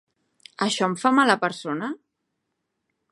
Això em fa mala persona?